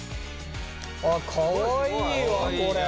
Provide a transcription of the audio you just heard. あっかわいいわこれ。